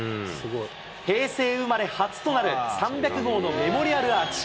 平成生まれ初となる３００号のメモリアルアーチ。